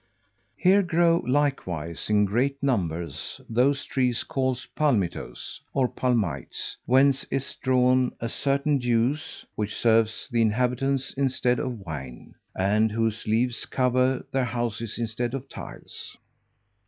Here grow likewise, in great numbers, those trees called palmitoes, or palmites, whence is drawn a certain juice which serves the inhabitants instead of wine, and whose leaves cover their houses instead of tiles.